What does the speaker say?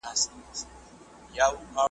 محتسب په سترګو ړوند وي په غضب یې ګرفتار کې .